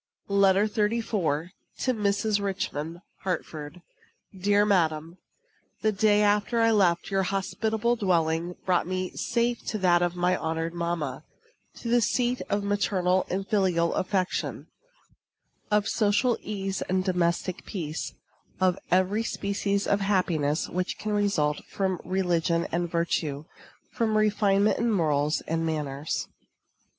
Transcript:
LETTER XXXIV. TO MRS. RICHMAN. HARTFORD. Dear madam: The day after I left your hospitable dwelling brought me safe to that of my honored mamma; to the seat of maternal and filial affection; of social ease and domestic peace; of every species of happiness which can result from religion and virtue, from refinement in morals and manners.